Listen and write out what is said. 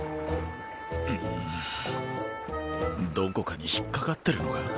どこかに引っ掛かってるのか？